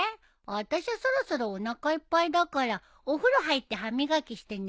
あたしゃそろそろおなかいっぱいだからお風呂入って歯磨きして寝るよ。